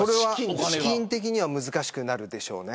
資金的には難しくなるでしょうね。